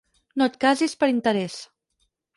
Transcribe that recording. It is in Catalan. No et casis per interès.